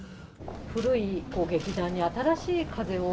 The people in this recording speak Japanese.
古い劇団に新しい風を。